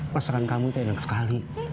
masakan kamu itu enak sekali